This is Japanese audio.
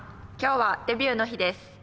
今日はデビューの日です。